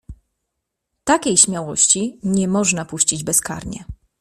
"Takiej śmiałości nie można puścić bezkarnie."